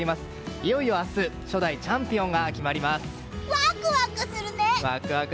いよいよ明日初代チャンピオンがワクワクするね！